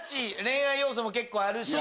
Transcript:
恋愛要素も結構あるし。